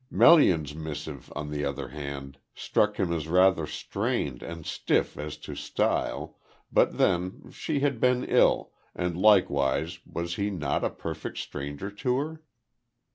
Melian's missive, on the other hand, struck him as rather strained and stiff as to style, but then, she had been ill, and likewise was he not a perfect stranger to her?